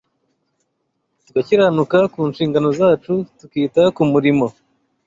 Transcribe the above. tugakiranuka ku nshingano zacu tukita ku murimo